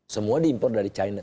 semua diimpor dari china